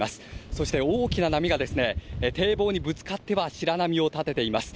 そして、大きな波が堤防にぶつかっては白波を立てています。